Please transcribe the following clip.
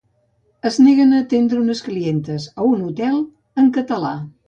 Es neguen a atendre unes clientes a un hotel en català